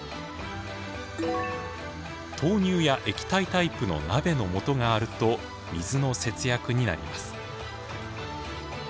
豆乳や液体タイプの鍋の素があると水の節約になります。